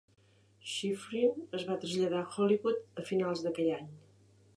Schifrin es va traslladar a Hollywood a finals d'aquell any.